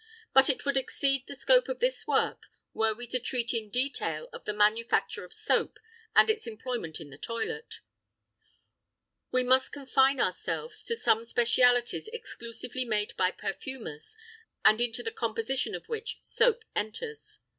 But it would exceed the scope of this work were we to treat in detail of the manufacture of soap and its employment in the toilet; we must confine ourselves to some specialties exclusively made by perfumers and into the composition of which soap enters.